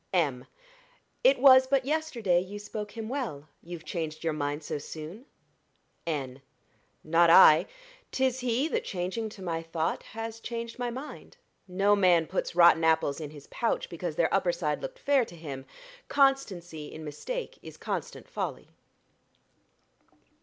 M. It was but yesterday you spoke him well You've changed your mind so soon? N. Not I 'tis he That, changing to my thought, has changed my mind. No man puts rotten apples in his pouch Because their upper side looked fair to him. Constancy in mistake is constant folly.